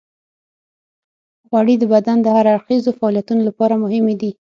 غوړې د بدن د هر اړخیزو فعالیتونو لپاره مهمې دي.